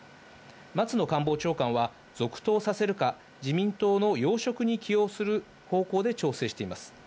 松野官房長官は、続投させるか自民党の要職に起用する方向で調整しています。